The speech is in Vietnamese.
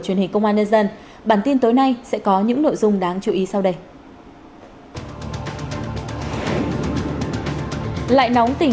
trong khi người dân vẫn chật vật lo tìm kiếm khu neo đậu an toàn khi mùa mưa bão đến